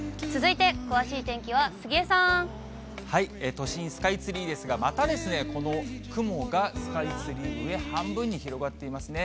都心、スカイツリーですが、またこの雲がスカイツリーの上半分に広がっていますね。